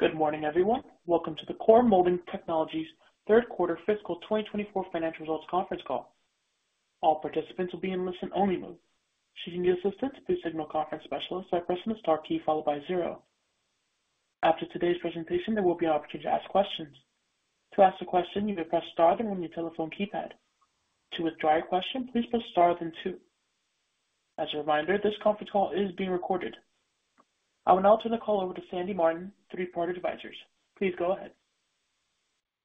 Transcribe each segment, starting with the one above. Good morning, everyone. Welcome to the Core Molding Technologies third quarter fiscal 2024 financial results conference call. All participants will be in listen-only mode. If you need assistance, please signal conference specialist by pressing the star key followed by zero. After today's presentation, there will be an opportunity to ask questions. To ask a question, you may press star then one on the telephone keypad. To withdraw your question, please press star then two. As a reminder, this conference call is being recorded. I will now turn the call over to Sandy Martin of Three Part Advisors. Please go ahead.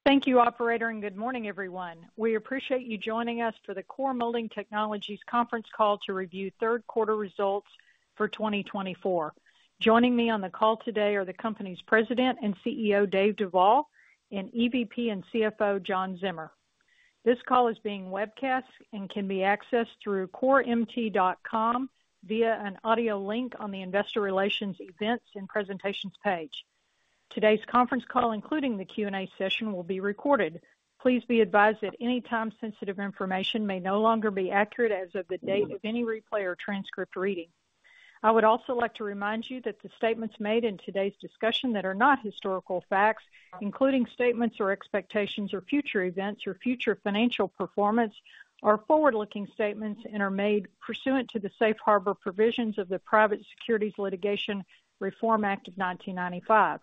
Thank you, Operator, and good morning, everyone. We appreciate you joining us for the Core Molding Technologies conference call to review third quarter results for 2024. Joining me on the call today are the company's President and CEO, Dave Duvall, and EVP and CFO, John Zimmer. This call is being webcast and can be accessed through CoreMT.com via an audio link on the investor relations events and presentations page. Today's conference call, including the Q&A session, will be recorded. Please be advised that any time-sensitive information may no longer be accurate as of the date of any replay or transcript reading. I would also like to remind you that the statements made in today's discussion that are not historical facts, including statements or expectations or future events or future financial performance, are forward-looking statements and are made pursuant to the safe harbor provisions of the Private Securities Litigation Reform Act of 1995.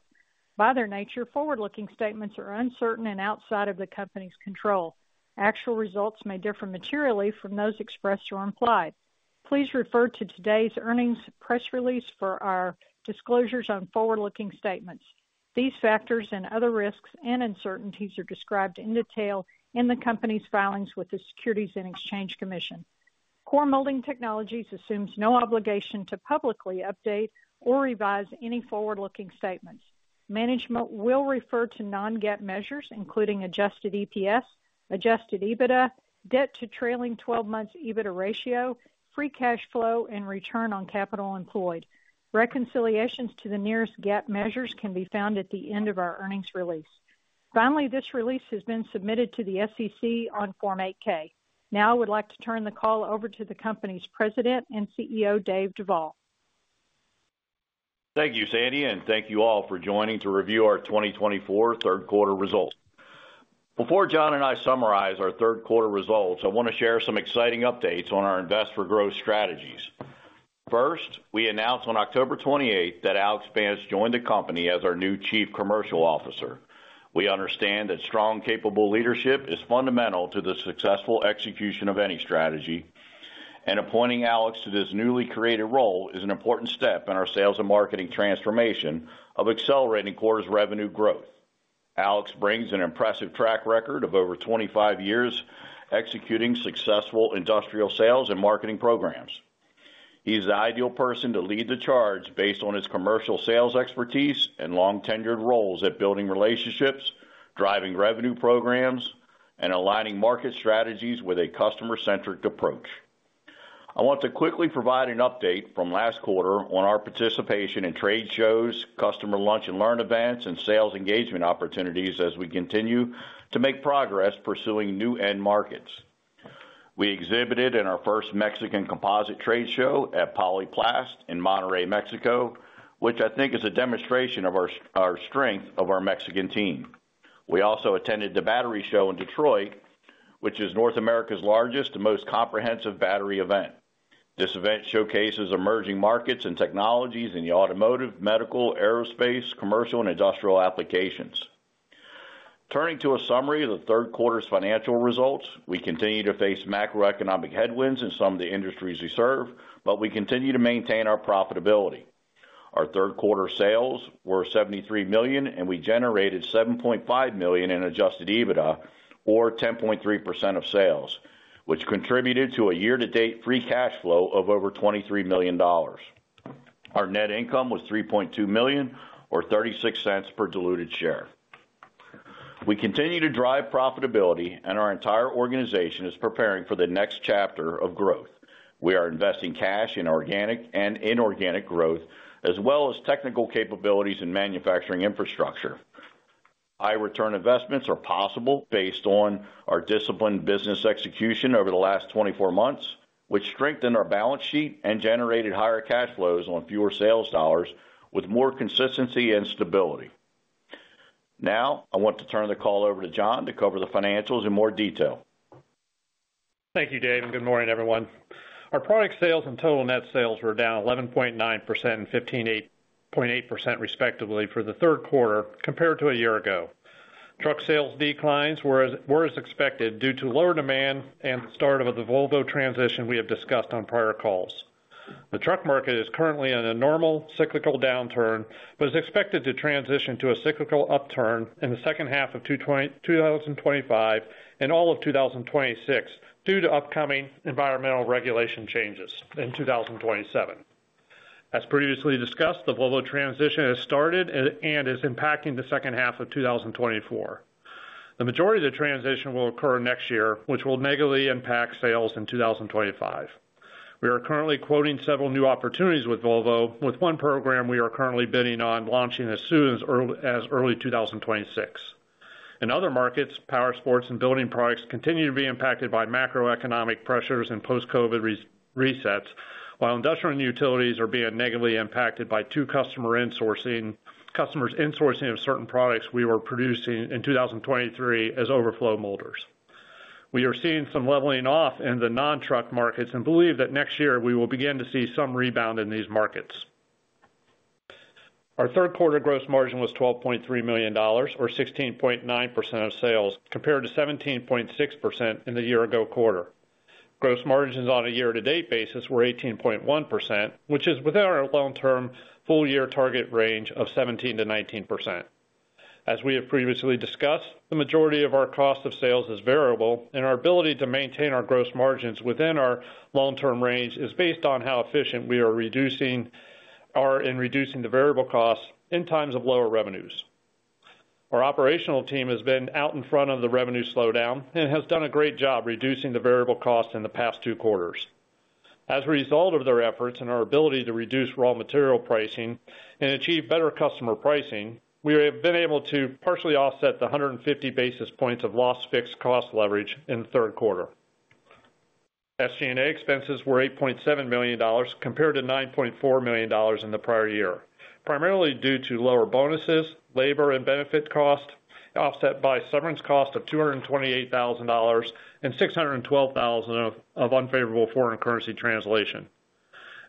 By their nature, forward-looking statements are uncertain and outside of the company's control. Actual results may differ materially from those expressed or implied. Please refer to today's earnings press release for our disclosures on forward-looking statements. These factors and other risks and uncertainties are described in detail in the company's filings with the Securities and Exchange Commission. Core Molding Technologies assumes no obligation to publicly update or revise any forward-looking statements. Management will refer to non-GAAP measures, including adjusted EPS, adjusted EBITDA, debt to trailing 12 months EBITDA ratio, free cash flow, and return on capital employed. Reconciliations to the nearest GAAP measures can be found at the end of our earnings release. Finally, this release has been submitted to the SEC on Form 8-K. Now I would like to turn the call over to the company's President and CEO, Dave Duvall. Thank you, Sandy, and thank you all for joining to review our 2024 third quarter results. Before John and I summarize our third quarter results, I want to share some exciting updates on our investor growth strategies. First, we announced on October 28 that Alex Banks joined the company as our new Chief Commercial Officer. We understand that strong, capable leadership is fundamental to the successful execution of any strategy, and appointing Alex to this newly created role is an important step in our sales and marketing transformation of accelerating quarterly revenue growth. Alex brings an impressive track record of over 25 years executing successful industrial sales and marketing programs. He's the ideal person to lead the charge based on his commercial sales expertise and long-tenured roles at building relationships, driving revenue programs, and aligning market strategies with a customer-centric approach. I want to quickly provide an update from last quarter on our participation in trade shows, customer lunch and learn events, and sales engagement opportunities as we continue to make progress pursuing new end markets. We exhibited in our first Mexican composite trade show at Poliplast in Monterrey, Mexico, which I think is a demonstration of our strength of our Mexican team. We also attended the Battery Show in Detroit, which is North America's largest and most comprehensive battery event. This event showcases emerging markets and technologies in the automotive, medical, aerospace, commercial, and industrial applications. Turning to a summary of the third quarter's financial results, we continue to face macroeconomic headwinds in some of the industries we serve, but we continue to maintain our profitability. Our third quarter sales were $73 million, and we generated $7.5 million in adjusted EBITDA, or 10.3% of sales, which contributed to a year-to-date free cash flow of over $23 million. Our net income was $3.2 million, or $0.36 per diluted share. We continue to drive profitability, and our entire organization is preparing for the next chapter of growth. We are investing cash in organic and inorganic growth, as well as technical capabilities and manufacturing infrastructure. High return investments are possible based on our disciplined business execution over the last 24 months, which strengthened our balance sheet and generated higher cash flows on fewer sales dollars with more consistency and stability. Now I want to turn the call over to John to cover the financials in more detail. Thank you, Dave, and good morning, everyone. Our product sales and total net sales were down 11.9% and 15.8% respectively for the third quarter compared to a year ago. Truck sales declines were as expected due to lower demand and the start of the Volvo transition we have discussed on prior calls. The truck market is currently in a normal cyclical downturn, but is expected to transition to a cyclical upturn in the second half of 2025 and all of 2026 due to upcoming environmental regulation changes in 2027. As previously discussed, the Volvo transition has started and is impacting the second half of 2024. The majority of the transition will occur next year, which will negatively impact sales in 2025. We are currently quoting several new opportunities with Volvo, with one program we are currently bidding on launching as soon as early 2026. In other markets, powersports and building products continue to be impacted by macroeconomic pressures and post-COVID resets, while industrial and utilities are being negatively impacted by two customers' insourcing of certain products we were producing in 2023 as overflow molders. We are seeing some leveling off in the non-truck markets and believe that next year we will begin to see some rebound in these markets. Our third quarter gross margin was $12.3 million, or 16.9% of sales, compared to 17.6% in the year-ago quarter. Gross margins on a year-to-date basis were 18.1%, which is within our long-term full-year target range of 17%-19%. As we have previously discussed, the majority of our cost of sales is variable, and our ability to maintain our gross margins within our long-term range is based on how efficient we are in reducing the variable costs in times of lower revenues. Our operational team has been out in front of the revenue slowdown and has done a great job reducing the variable costs in the past two quarters. As a result of their efforts and our ability to reduce raw material pricing and achieve better customer pricing, we have been able to partially offset the 150 basis points of lost fixed cost leverage in the third quarter. SG&A expenses were $8.7 million compared to $9.4 million in the prior year, primarily due to lower bonuses, labor and benefit costs offset by severance cost of $228,000 and $612,000 of unfavorable foreign currency translation.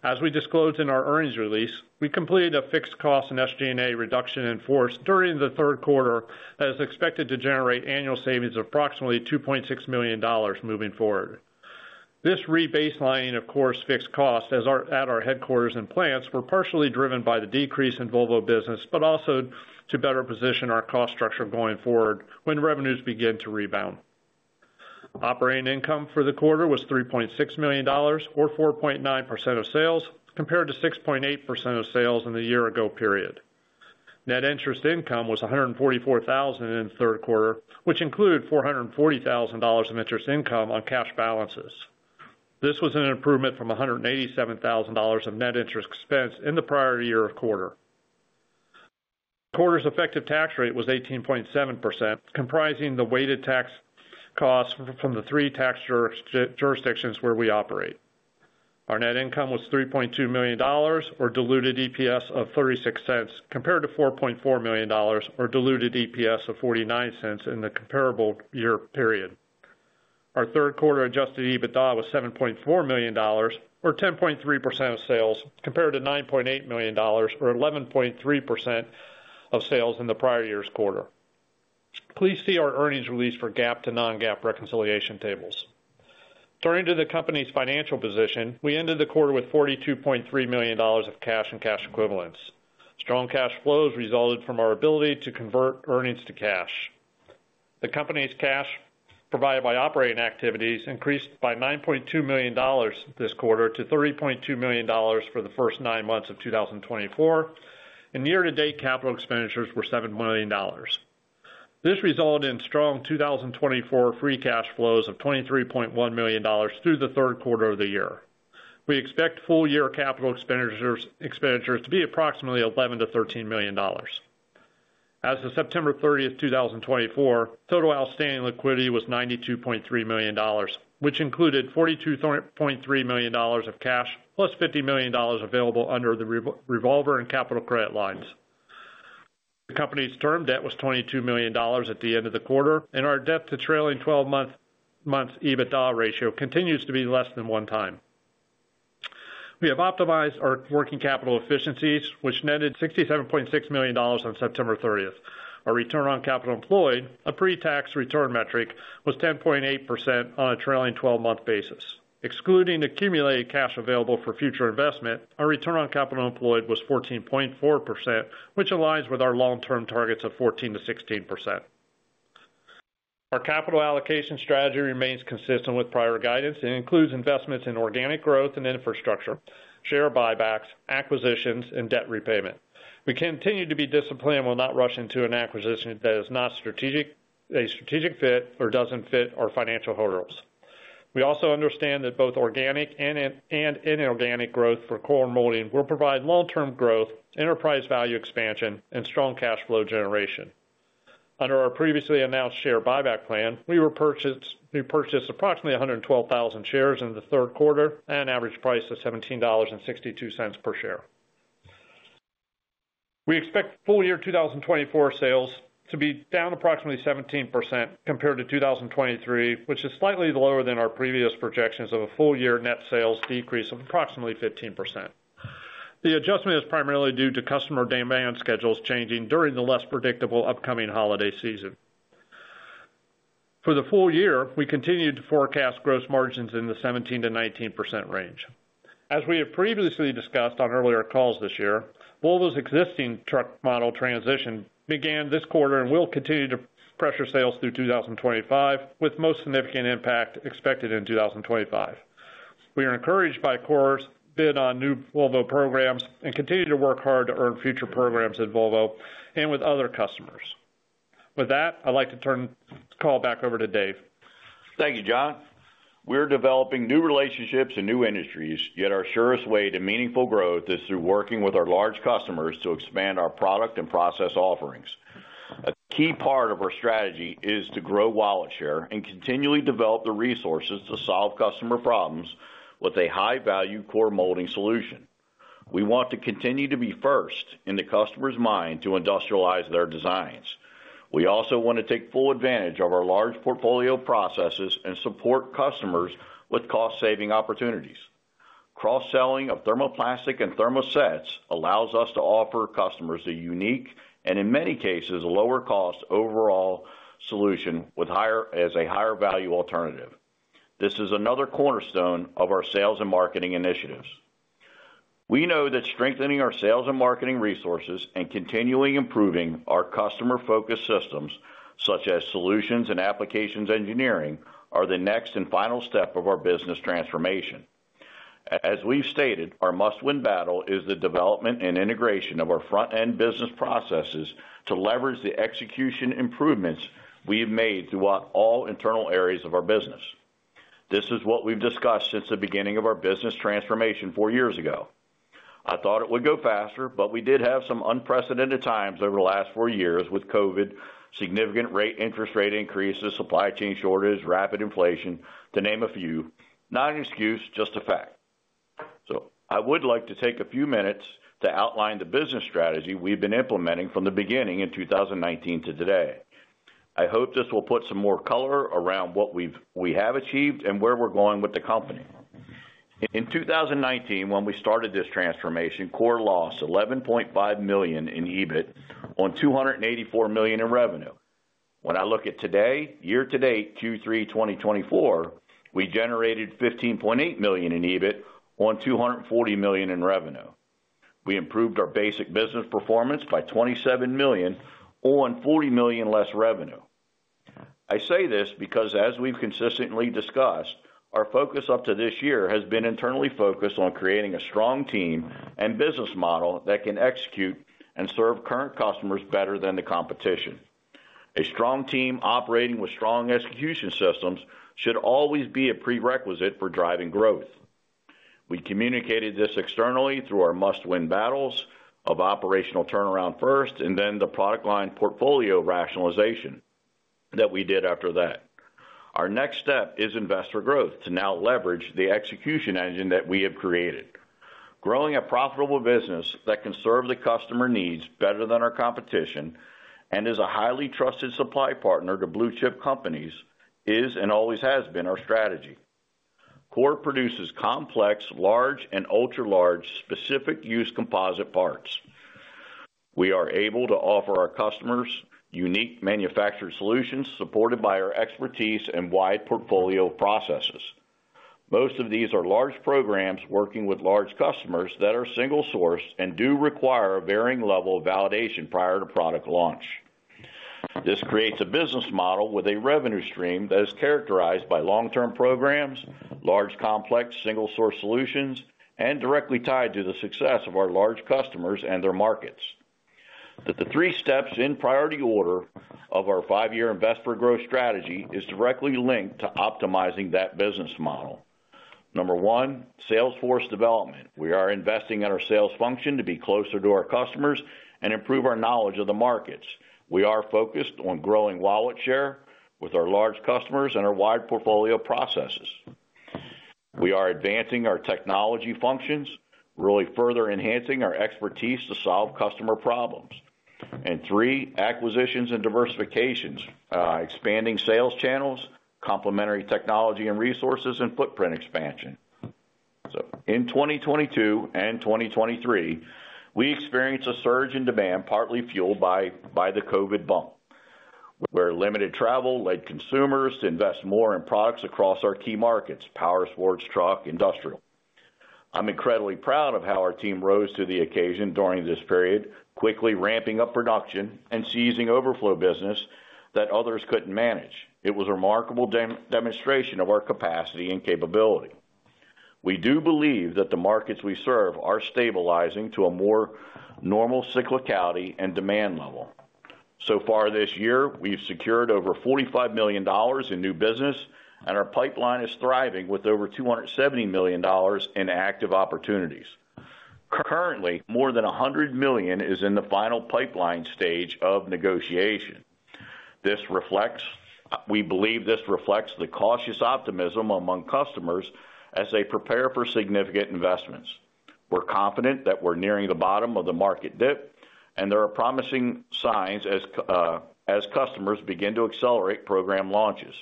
As we disclosed in our earnings release, we completed a fixed cost and SG&A reduction in force during the third quarter that is expected to generate annual savings of approximately $2.6 million moving forward. This re-baselining of Core's fixed costs at our headquarters and plants were partially driven by the decrease in Volvo business, but also to better position our cost structure going forward when revenues begin to rebound. Operating income for the quarter was $3.6 million, or 4.9% of sales, compared to 6.8% of sales in the year-ago period. Net interest income was $144,000 in the third quarter, which included $440,000 of interest income on cash balances. This was an improvement from $187,000 of net interest expense in the prior year quarter. Quarter's effective tax rate was 18.7%, comprising the weighted tax cost from the three tax jurisdictions where we operate. Our net income was $3.2 million, or diluted EPS of $0.36, compared to $4.4 million, or diluted EPS of $0.49 in the comparable year period. Our third quarter adjusted EBITDA was $7.4 million, or 10.3% of sales, compared to $9.8 million, or 11.3% of sales in the prior year's quarter. Please see our earnings release for GAAP to non-GAAP reconciliation tables. Turning to the company's financial position, we ended the quarter with $42.3 million of cash and cash equivalents. Strong cash flows resulted from our ability to convert earnings to cash. The company's cash provided by operating activities increased by $9.2 million this quarter to $30.2 million for the first nine months of 2024, and year-to-date capital expenditures were $7 million. This resulted in strong 2024 free cash flows of $23.1 million through the third quarter of the year. We expect full-year capital expenditures to be approximately $11-$13 million. As of September 30, 2024, total outstanding liquidity was $92.3 million, which included $42.3 million of cash plus $50 million available under the revolver and capital credit lines. The company's term debt was $22 million at the end of the quarter, and our debt to trailing 12-month EBITDA ratio continues to be less than one time. We have optimized our working capital efficiencies, which netted $67.6 million on September 30. Our return on capital employed, a pre-tax return metric, was 10.8% on a trailing 12-month basis. Excluding accumulated cash available for future investment, our return on capital employed was 14.4%, which aligns with our long-term targets of 14%-16%. Our capital allocation strategy remains consistent with prior guidance and includes investments in organic growth and infrastructure, share buybacks, acquisitions, and debt repayment. We continue to be disciplined and will not rush into an acquisition that is not a strategic fit or doesn't fit our financial hurdles. We also understand that both organic and inorganic growth for Core Molding will provide long-term growth, enterprise value expansion, and strong cash flow generation. Under our previously announced share buyback plan, we purchased approximately 112,000 shares in the third quarter at an average price of $17.62 per share. We expect full-year 2024 sales to be down approximately 17% compared to 2023, which is slightly lower than our previous projections of a full-year net sales decrease of approximately 15%. The adjustment is primarily due to customer demand schedules changing during the less predictable upcoming holiday season. For the full year, we continue to forecast gross margins in the 17%-19% range. As we have previously discussed on earlier calls this year, Volvo's existing truck model transition began this quarter and will continue to pressure sales through 2025, with most significant impact expected in 2025. We are encouraged by Core's bid on new Volvo programs and continue to work hard to earn future programs at Volvo and with other customers. With that, I'd like to turn the call back over to Dave. Thank you, John. We're developing new relationships and new industries, yet our surest way to meaningful growth is through working with our large customers to expand our product and process offerings. A key part of our strategy is to grow wallet share and continually develop the resources to solve customer problems with a high-value core molding solution. We want to continue to be first in the customer's mind to industrialize their designs. We also want to take full advantage of our large portfolio processes and support customers with cost-saving opportunities. Cross-selling of thermoplastic and thermosets allows us to offer customers a unique and, in many cases, lower-cost overall solution as a higher-value alternative. This is another cornerstone of our sales and marketing initiatives. We know that strengthening our sales and marketing resources and continuing improving our customer-focused systems, such as solutions and applications engineering, are the next and final step of our business transformation. As we've stated, our must-win battle is the development and integration of our front-end business processes to leverage the execution improvements we've made throughout all internal areas of our business. This is what we've discussed since the beginning of our business transformation four years ago. I thought it would go faster, but we did have some unprecedented times over the last four years with COVID, significant interest rate increases, supply chain shortage, rapid inflation, to name a few. Not an excuse, just a fact. So I would like to take a few minutes to outline the business strategy we've been implementing from the beginning in 2019 to today. I hope this will put some more color around what we have achieved and where we're going with the company. In 2019, when we started this transformation, Core lost $11.5 million in EBIT on $284 million in revenue. When I look at today, year-to-date Q3 2024, we generated $15.8 million in EBIT on $240 million in revenue. We improved our basic business performance by $27 million on $40 million less revenue. I say this because, as we've consistently discussed, our focus up to this year has been internally focused on creating a strong team and business model that can execute and serve current customers better than the competition. A strong team operating with strong execution systems should always be a prerequisite for driving growth. We communicated this externally through our must-win battles of operational turnaround first and then the product line portfolio rationalization that we did after that. Our next step is inorganic growth to now leverage the execution engine that we have created. Growing a profitable business that can serve the customer needs better than our competition and is a highly trusted supply partner to blue-chip companies is and always has been our strategy. Core produces complex, large, and ultra-large specific use composite parts. We are able to offer our customers unique manufactured solutions supported by our expertise and wide portfolio processes. Most of these are large programs working with large customers that are single-sourced and do require a varying level of validation prior to product launch. This creates a business model with a revenue stream that is characterized by long-term programs, large complex single-source solutions, and directly tied to the success of our large customers and their markets. The three steps in priority order of our five-year investor growth strategy is directly linked to optimizing that business model. Number one, sales force development. We are investing in our sales function to be closer to our customers and improve our knowledge of the markets. We are focused on growing wallet share with our large customers and our wide portfolio processes. We are advancing our technology functions, really further enhancing our expertise to solve customer problems, and three, acquisitions and diversifications, expanding sales channels, complementary technology and resources, and footprint expansion, so in 2022 and 2023, we experienced a surge in demand partly fueled by the COVID bump, where limited travel led consumers to invest more in products across our key markets, powersports, truck, industrial. I'm incredibly proud of how our team rose to the occasion during this period, quickly ramping up production and seizing overflow business that others couldn't manage. It was a remarkable demonstration of our capacity and capability. We do believe that the markets we serve are stabilizing to a more normal cyclicality and demand level. So far this year, we've secured over $45 million in new business, and our pipeline is thriving with over $270 million in active opportunities. Currently, more than $100 million is in the final pipeline stage of negotiation. We believe this reflects the cautious optimism among customers as they prepare for significant investments. We're confident that we're nearing the bottom of the market dip, and there are promising signs as customers begin to accelerate program launches.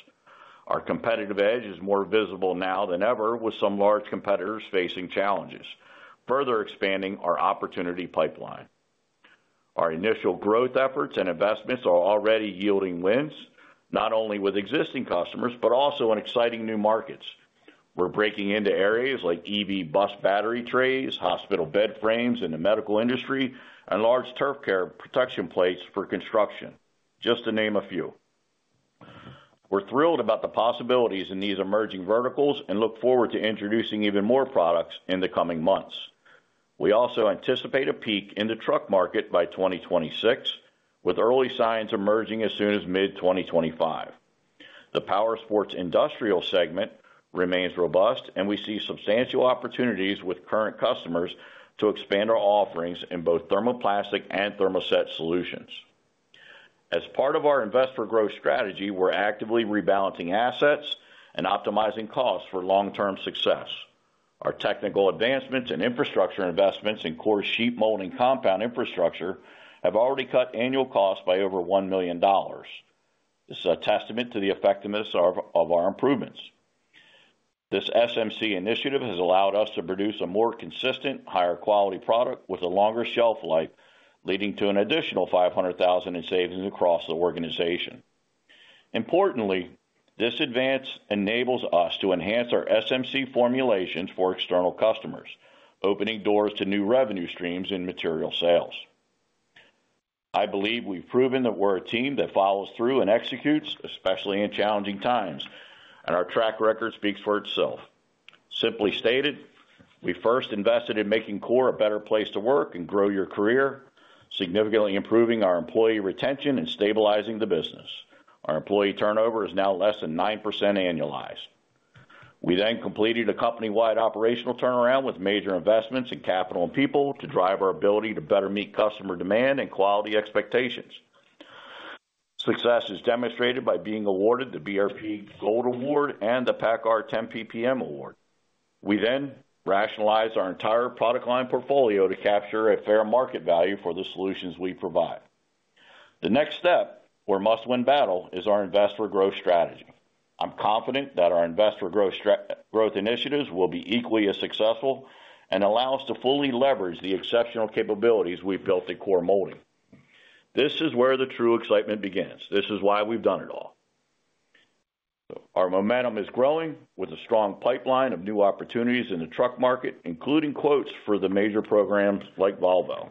Our competitive edge is more visible now than ever, with some large competitors facing challenges, further expanding our opportunity pipeline. Our initial growth efforts and investments are already yielding wins, not only with existing customers, but also in exciting new markets. We're breaking into areas like EV bus battery trays, hospital bed frames in the medical industry, and large turf care protection plates for construction, just to name a few. We're thrilled about the possibilities in these emerging verticals and look forward to introducing even more products in the coming months. We also anticipate a peak in the truck market by 2026, with early signs emerging as soon as mid-2025. The powersports industrial segment remains robust, and we see substantial opportunities with current customers to expand our offerings in both thermoplastic and thermoset solutions. As part of our investor growth strategy, we're actively rebalancing assets and optimizing costs for long-term success. Our technical advancements and infrastructure investments in core sheet molding compound infrastructure have already cut annual costs by over $1 million. This is a testament to the effectiveness of our improvements. This SMC initiative has allowed us to produce a more consistent, higher-quality product with a longer shelf life, leading to an additional $500,000 in savings across the organization. Importantly, this advance enables us to enhance our SMC formulations for external customers, opening doors to new revenue streams in material sales. I believe we've proven that we're a team that follows through and executes, especially in challenging times, and our track record speaks for itself. Simply stated, we first invested in making Core a better place to work and grow your career, significantly improving our employee retention and stabilizing the business. Our employee turnover is now less than 9% annualized. We then completed a company-wide operational turnaround with major investments in capital and people to drive our ability to better meet customer demand and quality expectations. Success is demonstrated by being awarded the BRP Gold Award and the PACCAR 10 PPM Award. We then rationalize our entire product line portfolio to capture a fair market value for the solutions we provide. The next step, or must-win battle, is our investor growth strategy. I'm confident that our investor growth initiatives will be equally as successful and allow us to fully leverage the exceptional capabilities we've built at Core Molding. This is where the true excitement begins. This is why we've done it all. Our momentum is growing with a strong pipeline of new opportunities in the truck market, including quotes for the major programs like Volvo.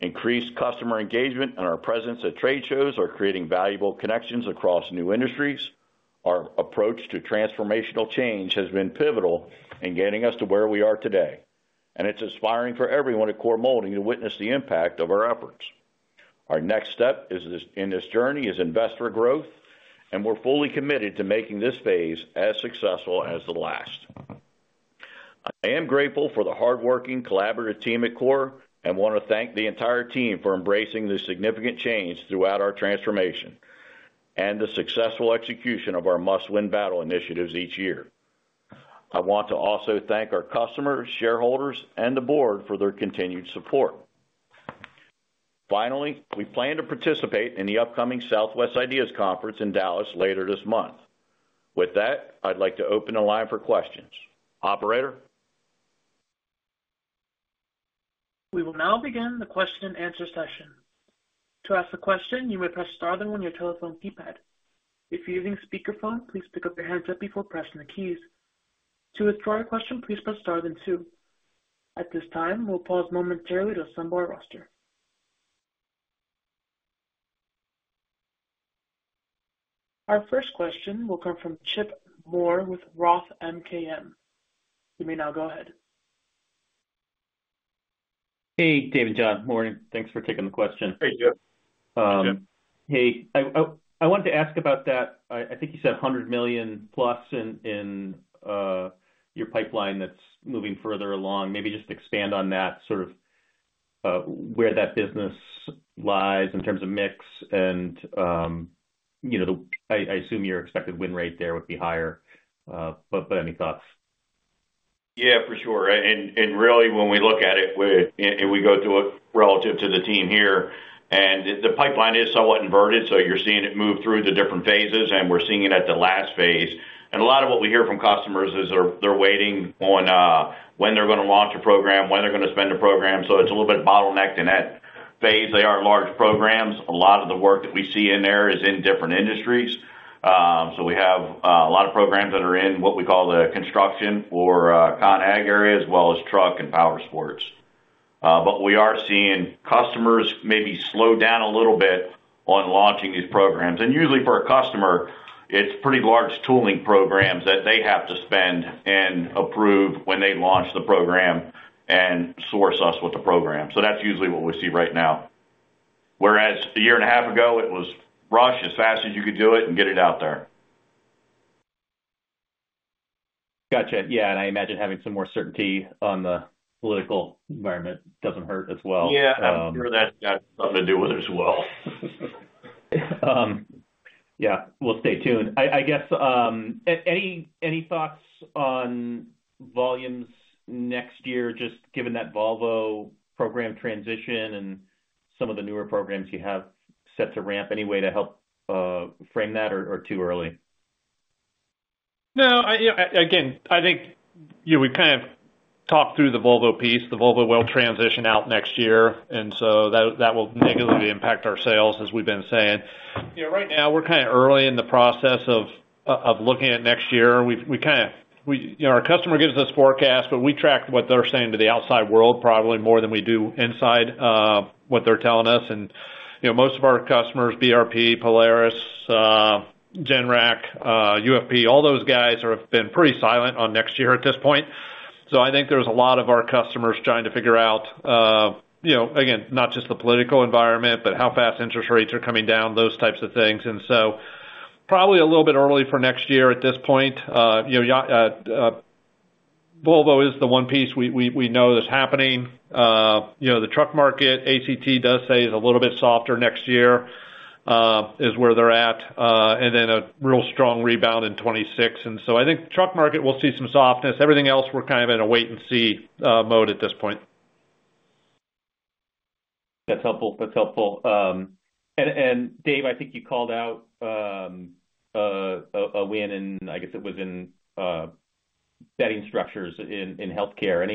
Increased customer engagement and our presence at trade shows are creating valuable connections across new industries. Our approach to transformational change has been pivotal in getting us to where we are today, and it's inspiring for everyone at Core Molding to witness the impact of our efforts. Our next step in this journey is investor growth, and we're fully committed to making this phase as successful as the last. I am grateful for the hardworking, collaborative team at Core and want to thank the entire team for embracing the significant change throughout our transformation and the successful execution of our must-win battle initiatives each year. I want to also thank our customers, shareholders, and the board for their continued support. Finally, we plan to participate in the upcoming Southwest IDEAS Conference in Dallas later this month. With that, I'd like to open the line for questions. Operator. We will now begin the question-and-answer session. To ask a question, you may press star, then 1 on your telephone keypad. If you're using speakerphone, please pick up the handset before pressing the keys. To withdraw your question, please press star, then 2. At this time, we'll pause momentarily to assemble our roster. Our first question will come from Chip Moore with Roth MKM. You may now go ahead. Hey, David, John. Morning. Thanks for taking the question. Hey, Joe. Hey. I wanted to ask about that. I think you said $100 million plus in your pipeline that's moving further along. Maybe just expand on that, sort of where that business lies in terms of mix and I assume your expected win rate there would be higher. But any thoughts? Yeah, for sure. And really, when we look at it and we go through it relative to the team here, the pipeline is somewhat inverted, so you're seeing it move through the different phases, and we're seeing it at the last phase. And a lot of what we hear from customers is they're waiting on when they're going to launch a program, when they're going to spend a program. So it's a little bit bottlenecked in that phase. They are large programs. A lot of the work that we see in there is in different industries. So we have a lot of programs that are in what we call the construction or ConAg area, as well as truck and powersports. But we are seeing customers maybe slow down a little bit on launching these programs. Usually, for a customer, it's pretty large tooling programs that they have to spend and approve when they launch the program and source us with the program. So that's usually what we see right now. Whereas a year and a half ago, it was rush as fast as you could do it and get it out there. Gotcha. Yeah, and I imagine having some more certainty on the political environment doesn't hurt as well. Yeah. I'm sure that's got something to do with it as well. Yeah. We'll stay tuned. I guess, any thoughts on volumes next year, just given that Volvo program transition and some of the newer programs you have set to ramp any way to help frame that, or too early? No. Again, I think we kind of talked through the Volvo piece. The Volvo will transition out next year, and so that will negatively impact our sales, as we've been saying. Right now, we're kind of early in the process of looking at next year. Our customer gives us forecasts, but we track what they're saying to the outside world probably more than we do inside what they're telling us, and most of our customers, BRP, Polaris, Generac, UFP, all those guys have been pretty silent on next year at this point, so I think there's a lot of our customers trying to figure out, again, not just the political environment, but how fast interest rates are coming down, those types of things, and so probably a little bit early for next year at this point. Volvo is the one piece we know that's happening. The truck market, ACT does say, is a little bit softer next year. That's where they're at, and then a real strong rebound in 2026. So I think truck market, we'll see some softness. Everything else, we're kind of in a wait-and-see mode at this point. That's helpful. That's helpful. And Dave, I think you called out a win in, I guess it was in bedding structures in healthcare.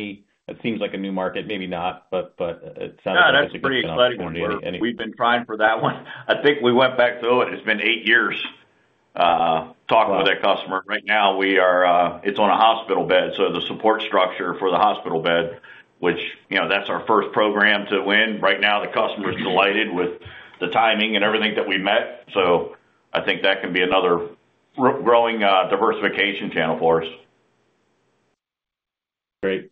It seems like a new market, maybe not, but it sounds like it's a pretty exciting one. We've been trying for that one. I think we went back to it. It's been eight years talking with that customer. Right now, it's on a hospital bed, so the support structure for the hospital bed, which, that's our first program to win. Right now, the customer is delighted with the timing and everything that we met, so I think that can be another growing diversification channel for us. Great.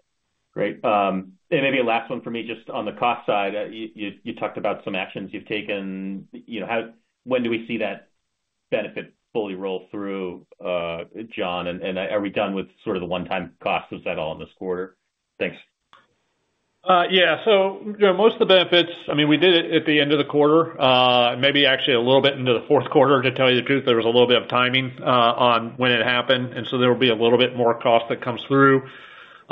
Great. And maybe a last one for me, just on the cost side. You talked about some actions you've taken. When do we see that benefit fully roll through, John? And are we done with sort of the one-time costs? Was that all in this quarter? Thanks. Yeah. So most of the benefits, I mean, we did it at the end of the quarter, maybe actually a little bit into the fourth quarter, to tell you the truth. There was a little bit of timing on when it happened, and so there will be a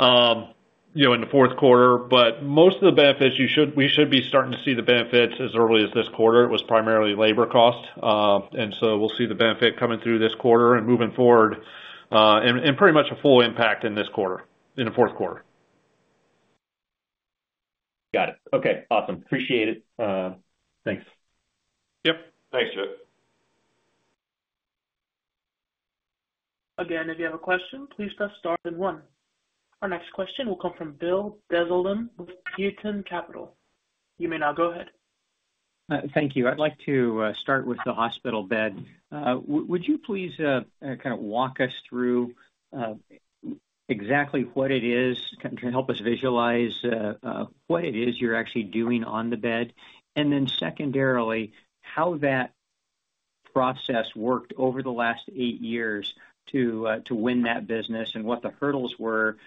little bit more cost that comes through in the fourth quarter. But most of the benefits, we should be starting to see the benefits as early as this quarter. It was primarily labor cost. And so we'll see the benefit coming through this quarter and moving forward, and pretty much a full impact in this quarter, in the fourth quarter. Got it. Okay. Awesome. Appreciate it. Thanks. Yep. Thanks, Joe. Again, if you have a question, please press star then one. Our next question will come from Bill Dezellem with Tieton Capital Management. You may now go ahead. Thank you. I'd like to start with the hospital bed. Would you please kind of walk us through exactly what it is, kind of help us visualize what it is you're actually doing on the bed, and then secondarily, how that process worked over the last eight years to win that business and what the hurdles were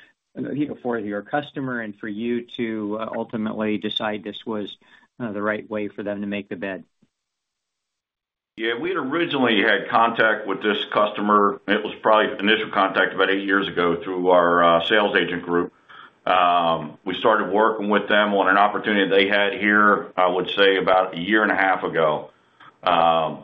for your customer and for you to ultimately decide this was the right way for them to make the bed? Yeah. We'd originally had contact with this customer. It was probably initial contact about eight years ago through our sales agent group. We started working with them on an opportunity they had here, I would say, about a year and a half ago.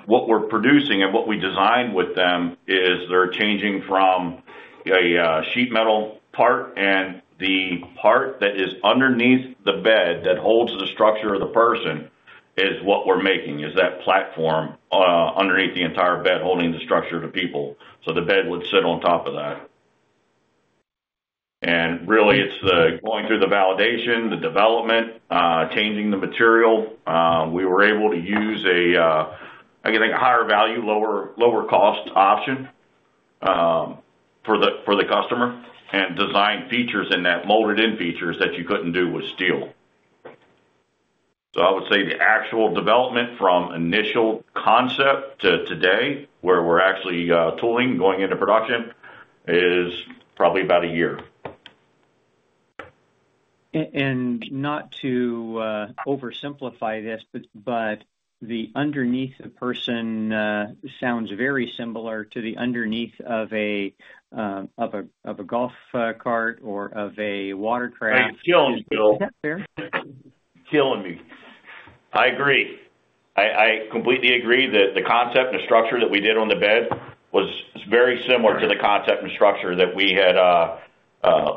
What we're producing and what we designed with them is they're changing from a sheet metal part, and the part that is underneath the bed that holds the structure of the person is what we're making, is that platform underneath the entire bed holding the structure to people. So the bed would sit on top of that. And really, it's going through the validation, the development, changing the material. We were able to use a, I think, a higher value, lower cost option for the customer and design features in that molded-in features that you couldn't do with steel. So I would say the actual development from initial concept to today, where we're actually tooling going into production, is probably about a year. Not to oversimplify this, but the underneath a person sounds very similar to the underneath of a golf cart or of a watercraft. It's killing me. Is that fair? Killing me. I agree. I completely agree that the concept and the structure that we did on the bed was very similar to the concept and structure that we had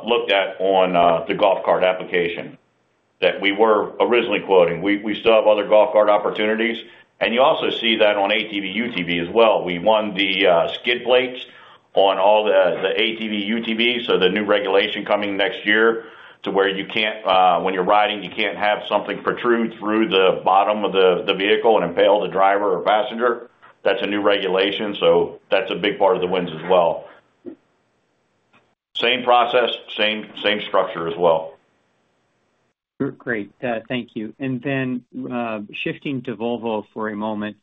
looked at on the golf cart application that we were originally quoting. We still have other golf cart opportunities. And you also see that on ATV UTV as well. We won the skid plates on all the ATV UTVs. So the new regulation coming next year to where you can't, when you're riding, you can't have something protrude through the bottom of the vehicle and impale the driver or passenger. That's a new regulation. So that's a big part of the wins as well. Same process, same structure as well. Great. Thank you, and then shifting to Volvo for a moment,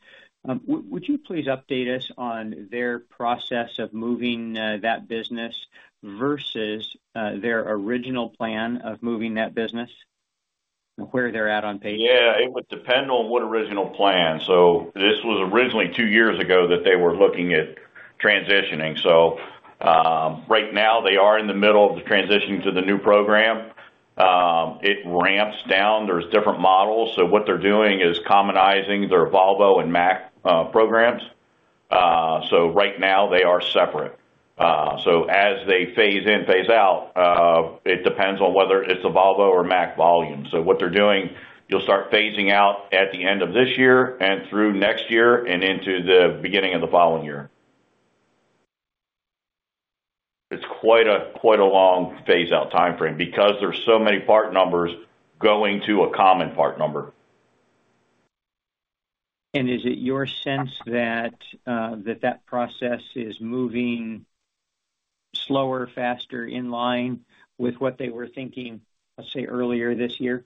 would you please update us on their process of moving that business versus their original plan of moving that business, where they're at on pace? Yeah. It would depend on what original plan. So this was originally two years ago that they were looking at transitioning. So right now, they are in the middle of the transition to the new program. It ramps down. There's different models. So what they're doing is commonizing their Volvo and Mack programs. So right now, they are separate. So as they phase in, phase out, it depends on whether it's the Volvo or Mack volume. So what they're doing, you'll start phasing out at the end of this year and through next year and into the beginning of the following year. It's quite a long phase-out timeframe because there's so many part numbers going to a common part number. Is it your sense that that process is moving slower, faster, in line with what they were thinking, let's say, earlier this year?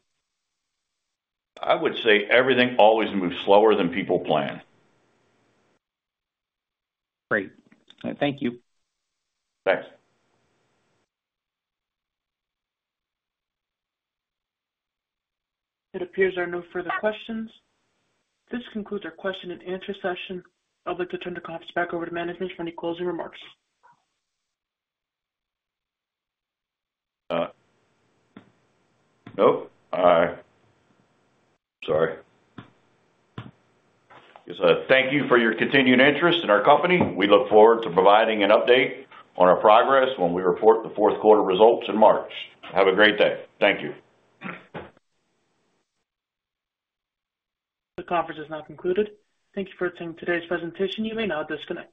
I would say everything always moves slower than people plan. Great. Thank you. Thanks. It appears there are no further questions. This concludes our question-and-answer session. I'd like to turn the conference back over to management for any closing remarks. No. Sorry. Just thank you for your continued interest in our company. We look forward to providing an update on our progress when we report the fourth quarter results in March. Have a great day. Thank you. The conference is now concluded. Thank you for attending today's presentation. You may now disconnect.